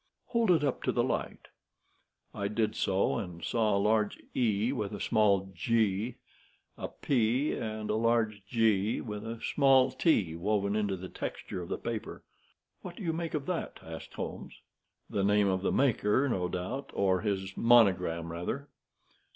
Hold it up to the light" I did so, and saw a large E with a small g, a P and a large G with a small t woven into the texture of the paper. "What do you make of that?" asked Holmes. "The name of the maker, no doubt; or his monogram, rather."